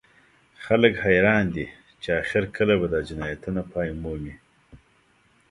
خلک حیران دي چې اخر کله به دا جنایتونه پای مومي